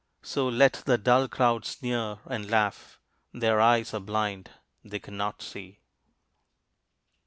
So let the dull crowd sneer and laugh Their eyes are blind, they cannot see.